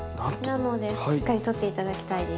なのでしっかり取って頂きたいです。